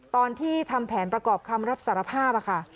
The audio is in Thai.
ตอนที่ทำแผนประกอบคำรับสารภาพค่ะ